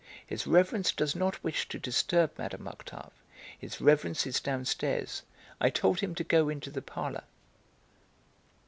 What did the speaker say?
His reverence does not wish to disturb Mme. Octave. His reverence is downstairs; I told him to go into the parlour."